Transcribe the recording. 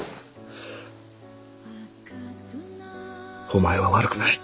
お前は悪くない。